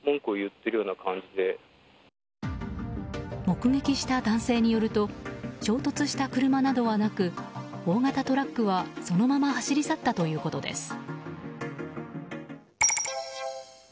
目撃した男性によると衝突した車などはなく大型トラックは、そのまま走り去ったということです。